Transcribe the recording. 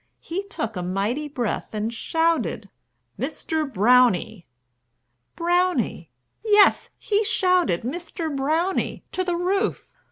he took a mighty breath And shouted, "Mr. BROWNIE!" Brownie! Yes, He shouted "Mr. BROWNIE" to the roof.